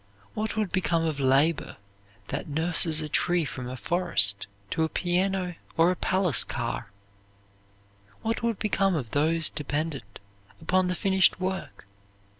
What would become of labor that nurses a tree from a forest to a piano or a palace car? What would become of those dependent upon the finished work?